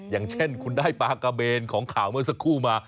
อย่างเช่นคุณได้ปลากระเบนของข่าวเมื่อสักครู่มา